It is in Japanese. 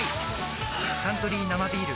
「サントリー生ビール」